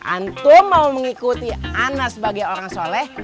antue mau mengikuti ana sebagai orang soleh